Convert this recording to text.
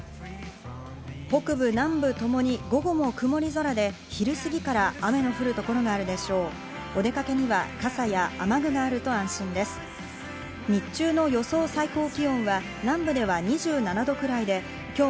北部、南部ともに午後も曇り空で、昼過ぎから雨の降る所があるでしょう。